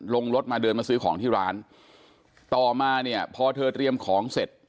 รถมาเดินมาซื้อของที่ร้านต่อมาเนี่ยพอเธอเตรียมของเสร็จ